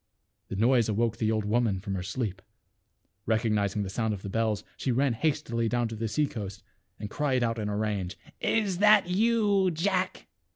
The noise awoke the old woman from her sleep. Recognizing the sound of the bells, she ran hastily down to the sea coast and cried out in a rage, " Is that you, Jack?"